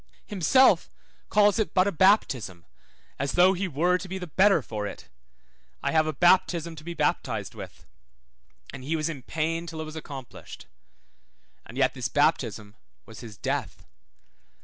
Himself calls it but a baptism, as though he were to be the better for it. I have a baptism to be baptized with, 3232 Luke 12:50. and he was in pain till it was accomplished, and yet this baptism was his death.